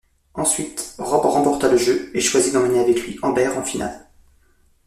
Ensuite, Rob remporta le jeu et choisit d'emmener avec lui Amber en finale.